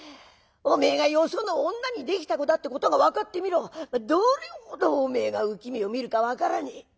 おめえがよその女にできた子だってことが分かってみろどれほどおめえが憂き目を見るか分からねえ。